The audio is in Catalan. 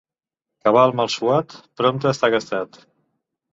Cabal mal suat prompte està gastat.